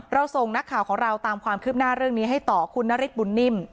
ส่งนักข่าวของเราตามความคืบหน้าเรื่องนี้ให้ต่อคุณนฤทธบุญนิ่ม